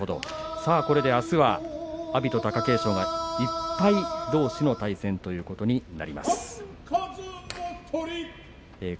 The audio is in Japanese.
これで、あすは阿炎、貴景勝１敗どうしの対戦になります。